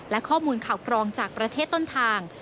และข้อมูลข่าวกรองจากประเทศต้นทาง